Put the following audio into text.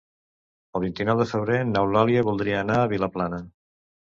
El vint-i-nou de febrer n'Eulàlia voldria anar a Vilaplana.